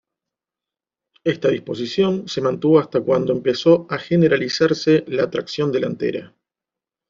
Esta disposición se mantuvo hasta cuando empezó a generalizarse la tracción delantera.